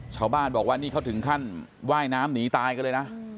ชาวบ้านบอกว่านี่เขาถึงขั้นว่ายน้ำหนีตายกันเลยนะ